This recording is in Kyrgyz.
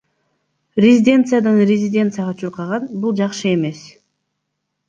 Резиденциядан резиденцияга чуркаган — бул жакшы эмес.